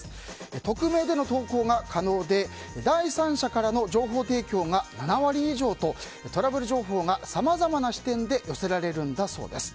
匿名での投稿が可能で第三者からの情報提供が７割以上とトラブル情報がさまざまな視点で寄せられるんだそうです。